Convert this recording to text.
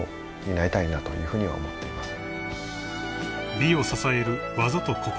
［美を支える技と心］